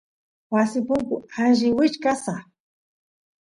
wasi punku alli wichkasq